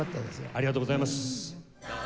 ありがとうございます。